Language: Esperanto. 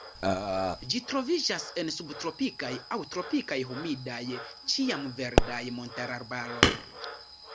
Ĝi troviĝas en subtropikaj aŭ tropikaj humidaj ĉiamverdaj montararbaroj.